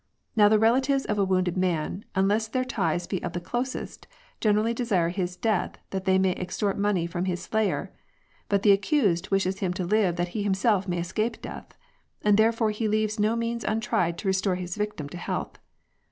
Now the relatives of a wounded man, unless their ties be of the closest, generally desire his death that they may extort money from his slayer ; but the accused wishes him to live that he himself may escape death, and therefore he leaves no means untried to restore his victim to health.